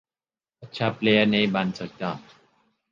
اچھا پلئیر نہیں بن سکتا،